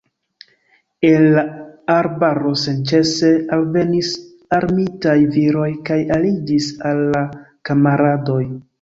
El la arbaro senĉese alvenis armitaj viroj kaj aliĝis al la kamaradoj.